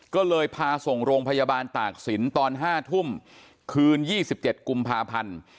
ก็เลยพาส่งโรงพยาบาลตากศิลป์ตอน๕ทุ่มคืน๒๗กุมภาพันธ์